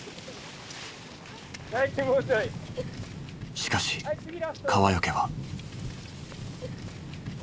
しかし川除は。